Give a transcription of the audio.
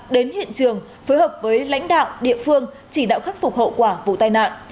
đến hiện trường phối hợp với lãnh đạo địa phương chỉ đạo khắc phục hậu quả vụ tai nạn